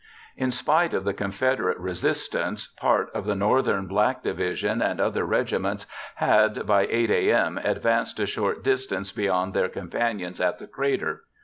_ In spite of the Confederate resistance, part of the Northern black division and other regiments had, by 8 a.m., advanced a short distance beyond their companions at the crater.